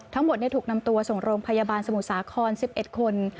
ทั้งหมดเนี่ยถูกนำตัวส่งโรงพยาบาลสมุทรสาครสิบเอ็ดคน